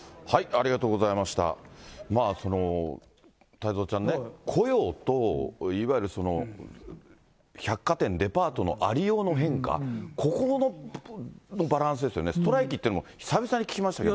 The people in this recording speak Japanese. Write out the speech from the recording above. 太蔵ちゃんね、雇用と、いわゆる百貨店、デパートのありようの変化、ここのバランスですよね、ストライキっていうのも久々に聞きましたけど。